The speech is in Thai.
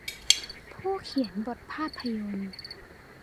ผู้เขียนบทภาพยนตร์